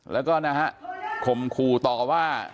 แล้วก็นะฮะข่มขู่ต่อว่า